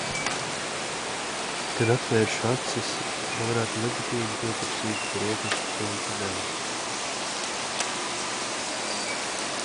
Kad atvēršu acis, lai varētu leģitīmi pieprasīt brokastu tunča devu.